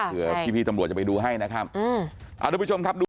เผื่อพี่ตำรวจจะไปดูให้นะครับ